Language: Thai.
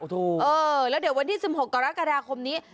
เออแล้วเดี๋ยววันที่๑๖กรกฎาคมนี้